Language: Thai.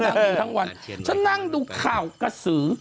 นั่งอยู่ทั้งวันฉันนั่งดูข่าวกระสือ